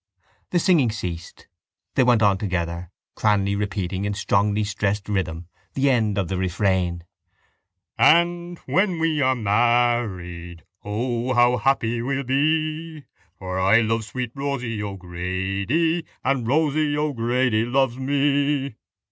The singing ceased. They went on together, Cranly repeating in strongly stressed rhythm the end of the refrain: And when we are married, O, how happy we'll be For I love sweet Rosie O'Grady And Rosie O'Grady loves me.